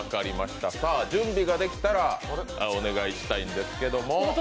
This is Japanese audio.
準備ができたらお願いしたいんですけれども。